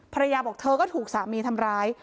บอกเธอก็ถูกสามีทำร้าย